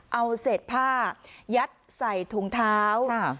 เอาเศษผ้ายัดใส่ถุงเท้า